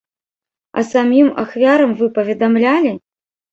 А самім ахвярам вы паведамлялі?